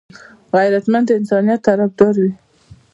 غیرتمند د انسانيت طرفدار وي